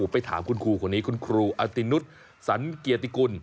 ไปถามคุณครูคนนี้คุณครูอตินุษย์สันเกียรติกุล